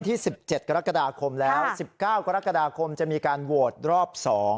ที่๑๗กรกฎาคมแล้ว๑๙กรกฎาคมจะมีการโหวตรอบ๒